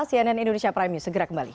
cnn indonesia prime news segera kembali